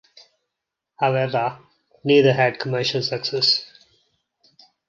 However, neither had commercial success.